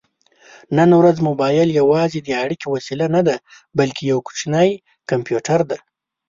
نن ورځ مبایل یوازې د اړیکې وسیله نه ده، بلکې یو کوچنی کمپیوټر دی.